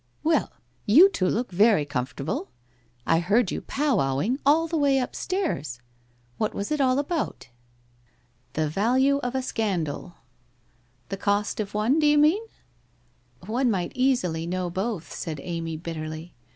' Well, you two look very comfortable ! I heard you pow wowing all the way upstairs. What was it all about? ' 'The value of a scandal/ I The cost of one, do you mean ?'* One might easily know both,' said Amy bitterly.